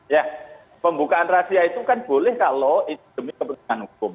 ya pembukaan rahasia itu kan boleh kalau itu demi kepentingan hukum